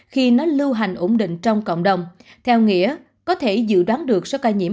khi nó lưu hành ổn định trong cộng đồng theo nghĩa có thể dự đoán được số ca nhiễm